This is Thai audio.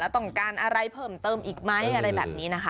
ต้องการอะไรเพิ่มเติมอีกไหมอะไรแบบนี้นะคะ